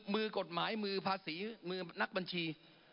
มือกฎหมายมือภาษีมือนักบัญชี